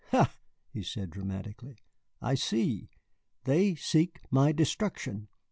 "Ha!" he said dramatically, "I see, they seek my destruction.